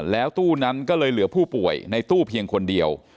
แล้วตู้นั้นก็เลยเหลือผู้ป่วยในตู้เพียงคนเดียว